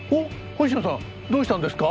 星名さんどうしたんですか？